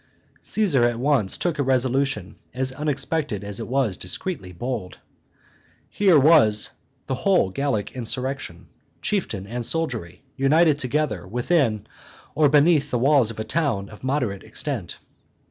Caesar at once took a resolution as unexpected as it was discreetly bold. Here was the whole Gallic insurrection, chieftain and soldiery, united together within or beneath the walls of a town of moderate extent.